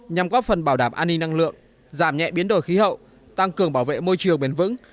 nhằm góp phần bảo đảm an ninh năng lượng giảm nhẹ biến đổi khí hậu tăng cường bảo vệ môi trường bền vững